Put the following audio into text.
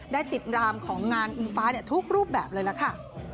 ได้ติดรามของงานอิงฟ้าทุกรูปแบบเลยล่ะค่ะ